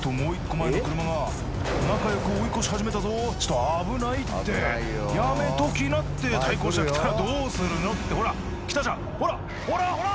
前の車が仲よく追い越し始めたぞちょっと危ないってやめときなって対向車来たらどうするの？ってほら来たじゃんほらほらほら！